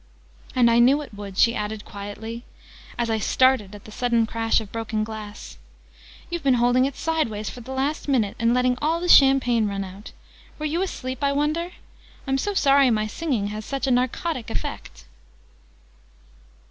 "And I knew it would!" she added quietly, as I started at the sudden crash of broken glass. "You've been holding it sideways for the last minute, and letting all the champagne run out! Were you asleep, I wonder? I'm so sorry my singing has such a narcotic effect!"